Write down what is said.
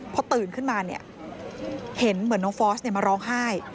พอตื่นขึ้นมาเนี่ยเห็นเหมือนน้องฟอสมาร้องไห้